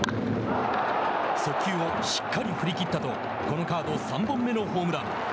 速球を「しっかり振り切った」とこのカード３本目のホームラン。